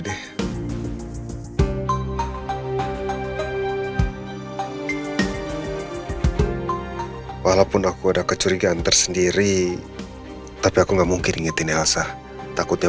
deh walaupun aku ada kecurigaan tersendiri tapi aku nggak mungkin ingetin elsa takutnya